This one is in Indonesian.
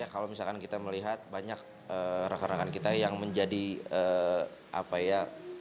kalau misalkan kita melihat banyak rekan rekan kita yang menjadi apa ya